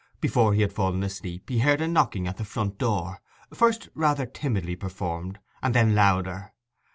Before he had fallen asleep he heard a knocking at the front door, first rather timidly performed, and then louder.